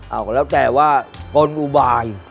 เอาก็แล้วแต่ว่าปนอุบาย